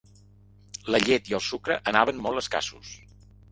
La llet i el sucre anaven molt escassos